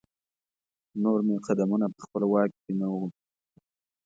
نور مې قدمونه په خپل واک کې نه وو.